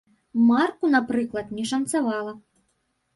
Марку, напрыклад, не шанцавала.